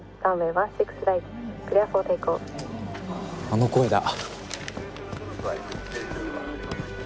あの声だ！